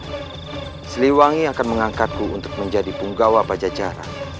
tapi seliwangi akan mengangkatku untuk menjadi punggawa pajajaran